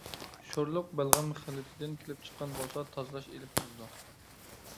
شورلۇق بەلغەم خىلىتىدىن كېلىپ چىققان بولسا تازىلاش ئېلىپ بېرىلىدۇ.